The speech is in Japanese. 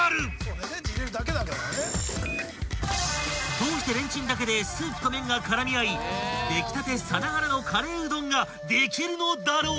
［どうしてレンチンだけでスープと麺が絡み合い出来たてさながらのカレーうどんができるのだろうか？］